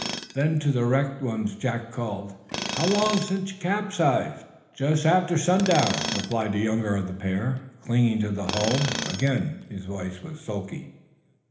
Then to the wrecked ones Jack called: "How long since you capsized?" "Since just after sundown," replied the younger of the pair clinging to the hull. Again his voice was sulky.